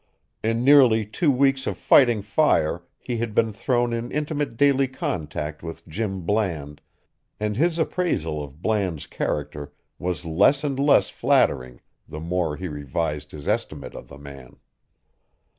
In nearly two weeks of fighting fire he had been thrown in intimate daily contact with Jim Bland, and his appraisal of Bland's character was less and less flattering the more he revised his estimate of the man.